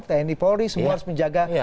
tni polri semua harus menjaga